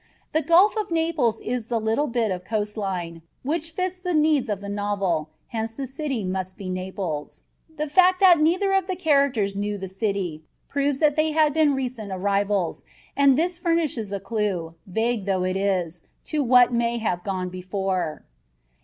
The Gulf of Naples is the only bit of coastline which fits the needs of the novel, hence the city must be Naples. The fact that neither of the characters knew the city proves that they had been recent arrivals, and this furnishes a clue, vague though it is, to what may have gone before.